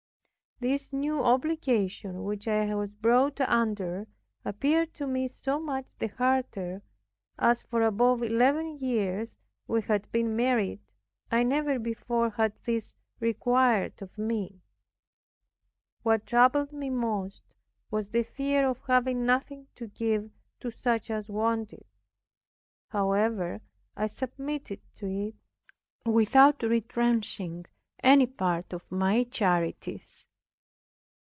This new obligation, which I was brought under, appeared to me so much the harder, as for above eleven years we had been married I never before had this required of me. What troubled me most was the fear of having nothing to give to such as wanted. However, I submitted to it, without retrenching any part of my charities.